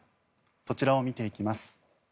そちらを見ていきます。